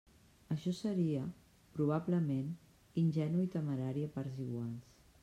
Això seria, probablement, ingenu i temerari a parts iguals.